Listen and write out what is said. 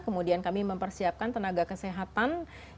kemudian kami mempersiapkan tenaga kesehatan